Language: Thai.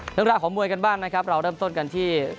เรื่องราวของมวยกันบ้างนะครับเราเริ่มต้นกันที่